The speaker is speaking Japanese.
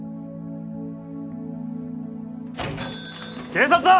・警察だ！